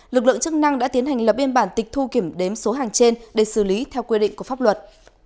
lực lượng chức năng đã tiến hành lập biên bản tịch thu kiểm đếm số hàng trên để xử lý theo quy định của pháp luật